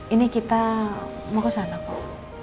ini kita mau kesana kok